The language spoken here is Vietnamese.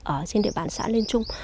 ở trên địa bàn xã lên trung